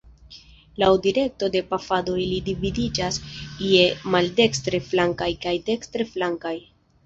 Laŭ direkto de pafado ili dividiĝas je maldekstre-flankaj kaj dekstre-flankaj.